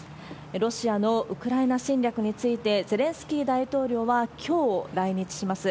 ロシアのウクライナ侵略について、ゼレンスキー大統領はきょう来日します。